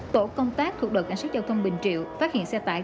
tổ công tác thuộc đội cảnh sát giao thông bình triệu phát hiện xe tải